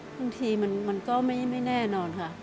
บางทีมันก็ไม่แน่นอนค่ะ